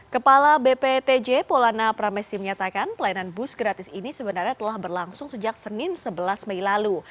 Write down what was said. kepala bptj polana pramesti menyatakan pelayanan bus gratis ini sebenarnya telah berlangsung sejak senin sebelas mei lalu